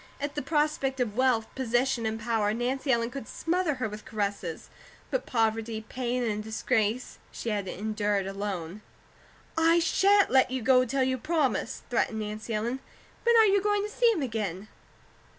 At the prospect of wealth, position, and power, Nancy Ellen could smother her with caresses; but poverty, pain, and disgrace she had endured alone. "I shan't let you go till you promise," threatened Nancy Ellen. "When are you to see him again?"